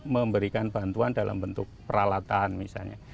memberikan bantuan dalam bentuk peralatan misalnya